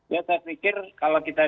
ya saya pikir kalau kita